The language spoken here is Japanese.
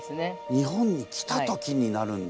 日本に来た時になるんだ。